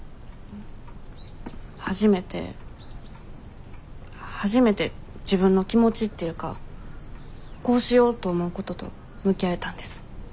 初めて初めて自分の気持ちっていうか「こうしよう！」と思うことと向き合えたんです。